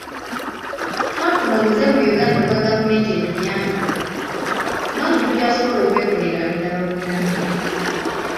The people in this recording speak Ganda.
Twafuna omuze mu Uganda ogwa Gavumenti etuyambe, n'omuntu kyasobola okwekolera alinda bamuyambe.